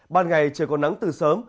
ban ngày trời còn nắng từ sớm